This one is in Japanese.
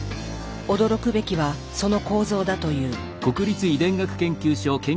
驚くべきはその構造だという。